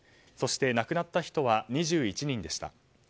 そして、亡くなった人は２１人でした。